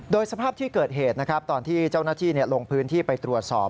สภาพที่เกิดเหตุนะครับตอนที่เจ้าหน้าที่ลงพื้นที่ไปตรวจสอบ